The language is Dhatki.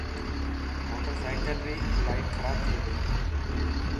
موٽرسائيڪل ري لائٽ خراب ٿي گئي.